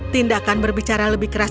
tindakan berbicara lebih keras